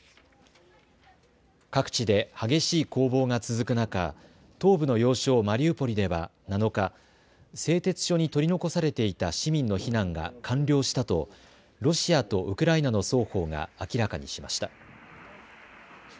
各地で激しい攻防が続く中東部の要衝マリウポリでは７日製鉄所に取り残されていた市民の避難が完了したとロシアとウクライナの双方が明らかにしました。